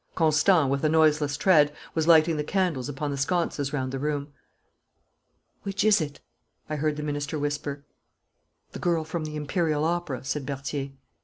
Constant, with a noiseless tread, was lighting the candles upon the sconces round the room. 'Which is it?' I heard the minister whisper. 'The girl from the Imperial Opera,' said Berthier.